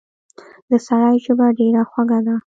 د سړي ژبه ډېره خوږه وه.